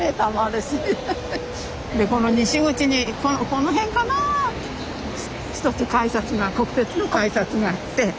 でこの西口にこの辺かな１つ改札が国鉄の改札があって。